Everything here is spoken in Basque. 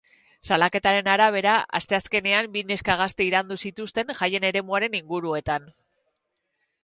Salaketaren arabera, asteazkenean bi neska gazte iraindu zituzten, jaien eremuaren inguruetan.